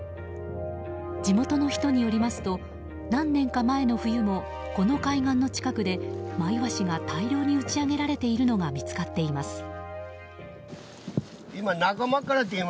地元の人によりますと何年か前の冬もこの海岸の近くでマイワシが大量に打ち揚げられているのが見つかっています。